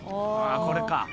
ああこれか。